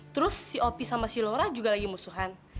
terus si opie sama si laura juga lagi musuhan